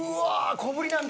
小ぶりなんだ。